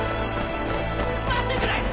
待ってくれ！